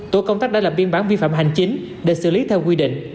tổ công tác đã làm biên bán vi phạm hành chính để xử lý theo quy định